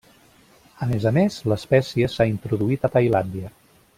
A més a més, l'espècie s'ha introduït a Tailàndia.